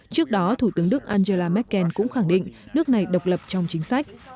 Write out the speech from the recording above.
trước đó thủ tướng đức angela merkel cũng khẳng định nước này độc lập trong chính sách